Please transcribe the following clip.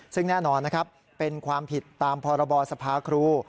ซึ่งแน่นอนนะครับเป็นความผิดตามพรบสภาครู